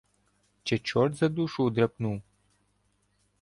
Чи чорт за душу удряпнув?